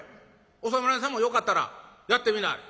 お侍さんもよかったらやってみなはれ。